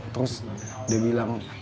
terus dia bilang